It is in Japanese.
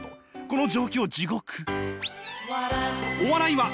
この状況地獄。